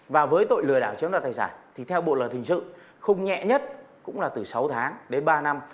và với tội lừa đảo chiếm đoạt tài sản thì theo bộ luật hình sự không nhẹ nhất cũng là từ sáu tháng đến ba năm